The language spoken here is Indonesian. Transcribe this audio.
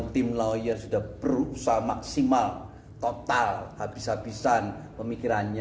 tim lawyer sudah berusaha maksimal total habis habisan pemikirannya